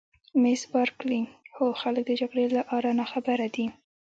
مس بارکلي: هو خلک د جګړې له آره ناخبره دي.